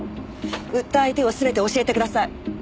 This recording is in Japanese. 売った相手を全て教えてください。